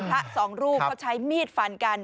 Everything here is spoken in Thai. พระสองรูปเขาใช้มีดฟันกัน